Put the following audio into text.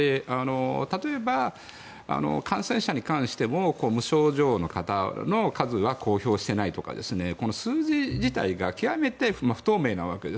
例えば、感染者に関しても無症状の方の数は公表していないとか数字自体が極めて不透明なわけです。